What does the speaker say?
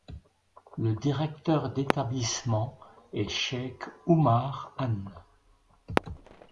Le directeur d'établissement est Cheikh Oumar Hanne.